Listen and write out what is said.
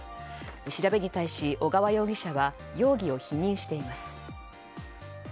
調べに対し、小川容疑者は容疑を否認しています。